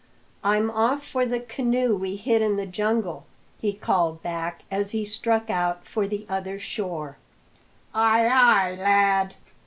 "I'm off for the canoe we hid in the jungle," he called back as he struck out for the other shore. "Ay, ay, lad!"